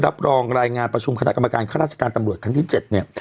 รับรองรายงานประชุมคณะกรรมการข้าราชการตำรวจครั้งที่๗เนี่ย